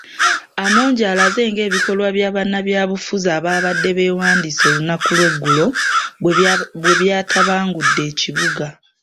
Amongi alaze ng'ebikolwa bya bannabyabufuzi ababadde beewandiisa olunaku lw'eggulo bwebyatabangudde ekibuga.